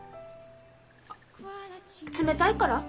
あっ冷たいから？